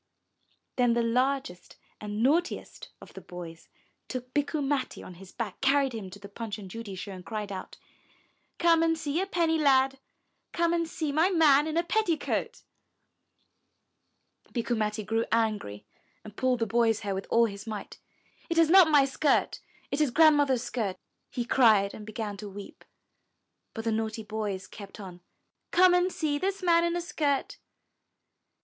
Then the largest and naughtiest of the boys took Bikku Matti on his back, carried him to the Punch and Judy show and cried out, ''Come and see a penny lad! Come and see my man in a petticoat." 399 MY BOOK HOUSE Bikku Matti grew angry and pulled the boy's hair with all his might. It is not my skirt, it is Grand mother's skirt!" he cried, and began to weep. But the naughty boys kept on. Come and see this man in a skirt."